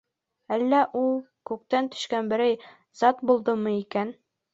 Әллә ул... күктән төшкән берәй зат булдымы икән?!